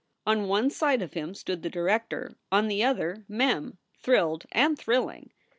On one side of him stood the director, on the other Mem, thrilled and thrilling.